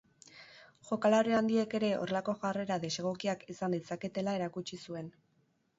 Jokalari handiek ere horrelako jarrera desegokiak izan ditzaketela erakutsi zuen.